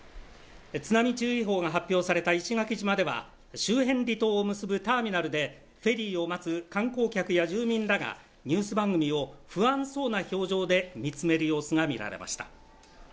津波注意報が発表された石垣島では周辺離島を結ぶターミナルで、フェリーを待つ観光客や住民らがニュース番組を不安そうな表情で見つめる様子が見られました。